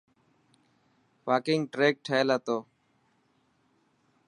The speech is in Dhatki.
واڪنگ ٽريڪ ٺهيل هتو.